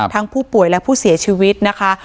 ผู้ป่วยและผู้เสียชีวิตนะคะ